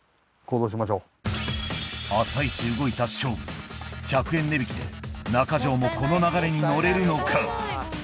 朝イチ動いた勝負１００円値引きでＮａｋａｊｏｈもこの流れに乗れるのか？